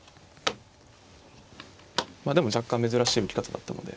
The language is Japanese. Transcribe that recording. でも若干珍しい受け方だったので。